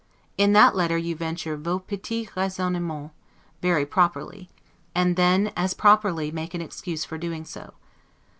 In that letter you venture 'vos petits raisonnemens' very properly, and then as properly make an excuse for doing so.